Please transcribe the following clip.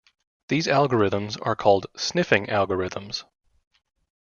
These algorithms are called sniffing algorithms.